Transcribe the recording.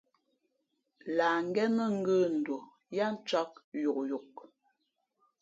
Lah ngén nά ngə̂nduα yáá ncāk yokyok.